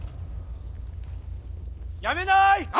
やめない！